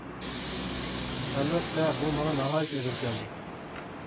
ئەلۋەتتە، بۇ ماڭا ناھايىتى ئېغىر كەلدى.